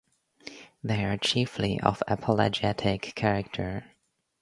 They are chiefly of apologetic character.